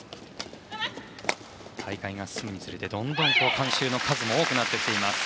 大会が進むにつれどんどん観衆の数も多くなってきています。